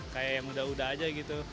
kayak mudah mudahan aja gitu